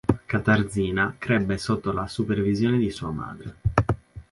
Katarzyna crebbe sotto la supervisione di sua madre.